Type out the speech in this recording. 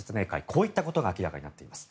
こういったことが明らかになっています。